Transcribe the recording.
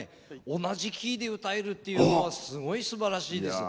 同じキーで歌えるっていうのはすごいすばらしいです。